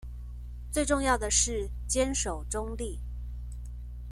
最重要的是堅守中立